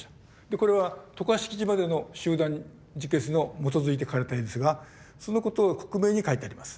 これは渡嘉敷島での集団自決の基づいて描かれた絵ですがそのことを克明に描いてあります。